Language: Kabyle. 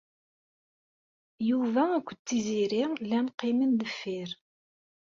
Yuba akked Tiziri llan qimen deffir.